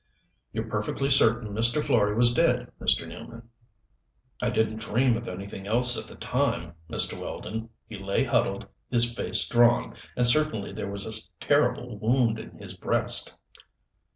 "You're perfectly certain Mr. Florey was dead, Mr. Nealman." "I didn't dream of anything else at the time, Mr. Weldon. He lay huddled, his face drawn, and certainly there was a terrible wound in his breast."